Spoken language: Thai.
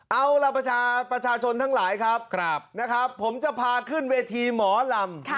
เอาล่ะประชาชนทั้งหลายครับนะครับผมจะพาขึ้นเวทีหมอลำ